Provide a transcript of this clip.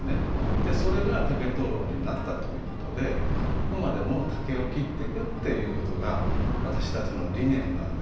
でそれが竹灯籠になったということであくまでも竹を切ってくっていうことが私たちの理念なんです。